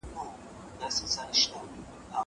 زه به سبا د تکړښت لپاره ځم.